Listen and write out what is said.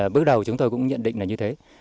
bước đầu chúng tôi cũng nhận định là như thế